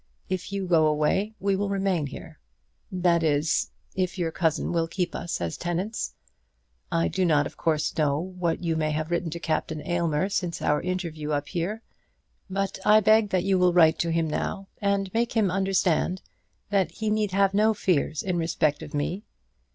If you go away, we will remain here; that is, if your cousin will keep us as tenants. I do not of course know what you may have written to Captain Aylmer since our interview up here, but I beg that you will write to him now, and make him understand that he need have no fears in respect of me.